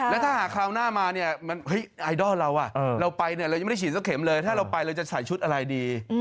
เดียวเราจะไปเราไม่ได้ฉีดสักเข็มเลยถ้าเราไปเราจะใส่ชุดอะไรดี